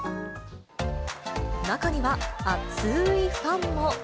中には熱いファンも。